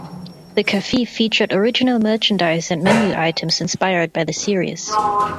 The cafe featured original merchandise and menu items inspired by the series.